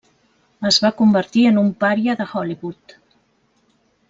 Es va convertir en un pària de Hollywood.